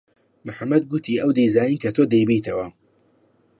محەممەد گوتی ئەو دەیزانی کە تۆ دەیبەیتەوە.